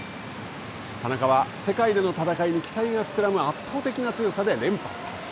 田中は世界での戦いに期待が膨らむ圧倒的な強さで連覇達成。